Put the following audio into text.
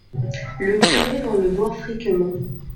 Le curé vint le voir fréquemment.